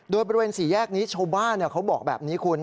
โดยบริเวณสี่แยกนี้ชาวบ้านเขาบอกแบบนี้คุณ